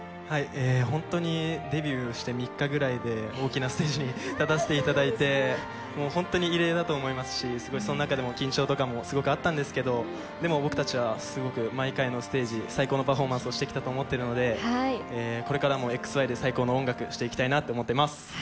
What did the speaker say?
本当にデビューして３日ぐらいで、大きなステージに立たせていただいて、もう本当に異例だと思いますし、すごいその中でも緊張とかもすごくあったんですけど、でも僕たちはすごく、毎回のステージ、最高のパフォーマンスをしてきたと思ってるので、これからもＸＹで最高の音楽していきたいなと思ってます。